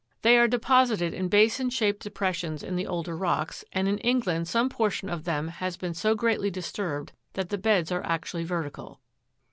They are deposited in basin shaped depressions in the older rocks, and in England some portion of them has been so greatly disturbed, that the beds are actually vertical.